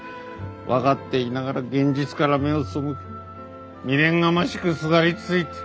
分かっていながら現実から目を背け未練がましくすがりついて。